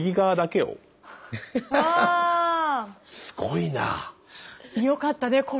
すごいな！よかったね。